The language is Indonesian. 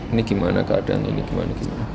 ini gimana keadaan ini gimana